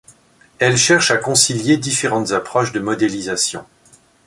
Elle cherche à concilier différentes approches de modélisation.